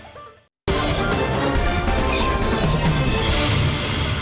pada saat yang akan datang